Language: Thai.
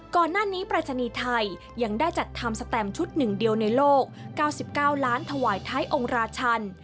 ก่อนหน้านี้ปรายศนีย์ไทยยังได้จัดทำสแตมชุดหนึ่งเดียวในโลก๙๙ล้านถวายท้ายองค์ราชัน